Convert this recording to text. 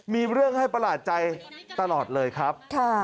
มีเรื่องให้ประหลาดใจตลอดเลยครับ